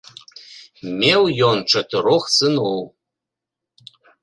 Меў ён чатырох сыноў.